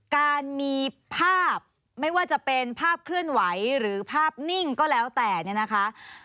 การมีภาพไม่ว่าจะเป็นภาพเคลื่อนไหวหรือภาพนิ่งก็แล้วแต่เนี่ยนะคะ